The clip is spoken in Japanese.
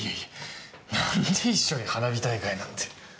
なんで一緒に花火大会なんて。